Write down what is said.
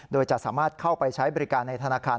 โดยจะสามารถเข้าไปใช้บริการในธนาคาร